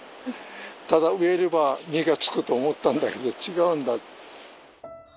ただ植えれば実がつくと思ったんだけど違うんだ。